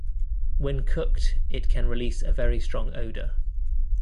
When cooked, it can release a very strong odor.